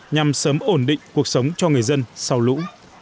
nhằm sớm ổn định cuộc sống cho người dân sau lũ